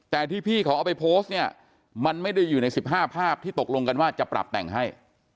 แต่ที่พี่เขาเอาไปโพสต์เนี่ยมันไม่ได้อยู่ใน๑๕ภาพที่ตกลงกันว่าจะปรับแต่งให้